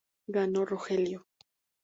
Ganó Rogelio.